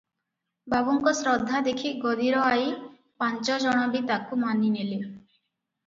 ବାବୁଙ୍କ ଶ୍ରଦ୍ଧା ଦେଖି ଗଦିର ଆଇ ପାଞ୍ଚଜଣ ବି ତାକୁ ମାନିଲେଣି ।